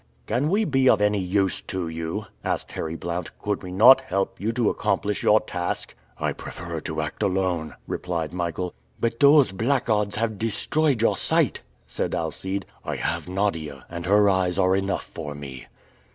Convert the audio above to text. "Can we be of any use to you?" asked Harry Blount. "Could we not help you to accomplish your task?" "I prefer to act alone," replied Michael. "But those blackguards have destroyed your sight," said Alcide. "I have Nadia, and her eyes are enough for me!"